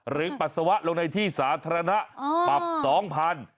ปัสสาวะลงในที่สาธารณะปรับ๒๐๐บาท